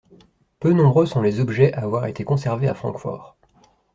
Peu nombreux sont les objets à avoir été conservés à Francfort.